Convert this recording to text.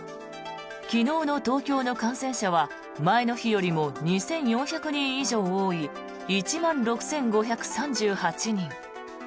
昨日の東京の感染者は前の日よりも２４００人以上多い１万６５３８人。